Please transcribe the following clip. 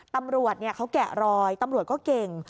ตำรวจเขาแกะรอยตำรวจก็เก่ง